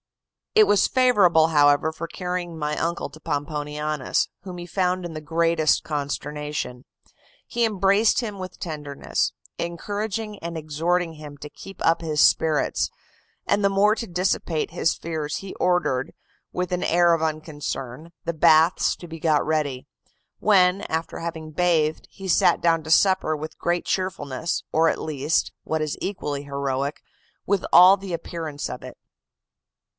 It was favorable, however, for carrying my uncle to Pomponianus, whom he found in the greatest consternation. He embraced him with tenderness, encouraging and exhorting him to keep up his spirits; and the more to dissipate his fears he ordered, with an air of unconcern, the baths to be got ready; when, after having bathed, he sat down to supper with great cheerfulness, or at least (what is equally heroic) with all the appearance of it.